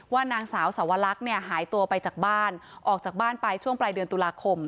นางสาวสวรรคเนี่ยหายตัวไปจากบ้านออกจากบ้านไปช่วงปลายเดือนตุลาคม